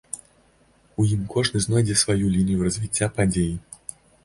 У ім кожны знойдзе сваю лінію развіцця падзей.